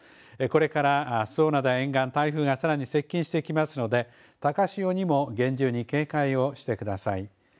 これから周防灘沿岸、台風がさらに接近してきますので、高潮にも厳重に警戒をしてください。